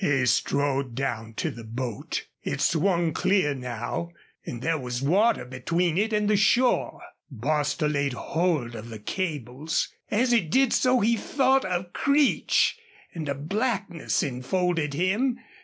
He strode down to the boat. It swung clear now, and there was water between it and the shore. Bostil laid hold of the cables. As he did so he thought of Creech and a blackness enfolded him.